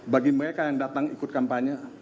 bagi mereka yang datang ikut kampanye